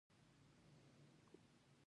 دا ښيي چې په دې سیمه کې دایمي هستوګنه شوې ده.